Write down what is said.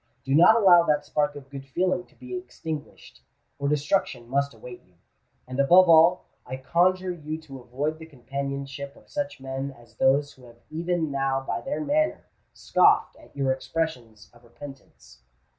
Do not allow that spark of good feeling to be extinguished—or destruction must await you. And above all, I conjure you to avoid the companionship of such men as those who have even now by their manner scoffed at your expressions of repentance."